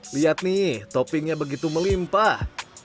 lihat nih toppingnya begitu melimpah